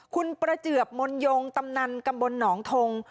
คุณประเจือบมนยงกำนันตำบลหนองทง